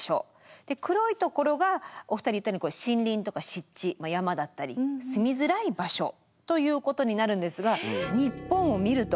黒いところがお二人言ったように森林とか湿地まあ山だったり住みづらい場所ということになるんですが日本を見ると。